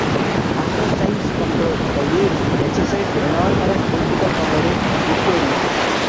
Under Syme's control "The Age" exercised enormous political power in Victoria.